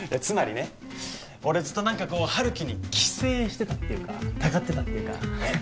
つまりね俺ずっとなんかこう春樹に寄生してたっていうかたかってたっていうか